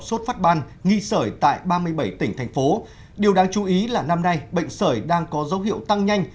sốt phát ban nghi sởi tại ba mươi bảy tỉnh thành phố điều đáng chú ý là năm nay bệnh sởi đang có dấu hiệu tăng nhanh